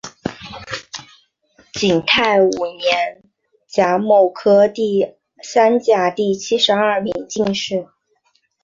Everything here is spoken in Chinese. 景泰五年甲戌科第三甲第七十二名进士。